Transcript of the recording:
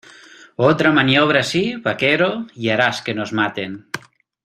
Otra maniobra así, vaquero , y harás que nos maten.